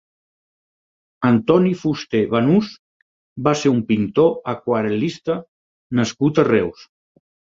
Antoni Fuster Banús va ser un pintor aquarel·lista nascut a Reus.